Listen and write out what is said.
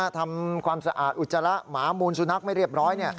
ทำความสะอาดอุจจาระหมามูลสุนัขไม่เรียบร้อย